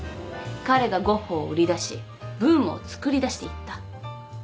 彼がゴッホを売り出しブームをつくりだしていった。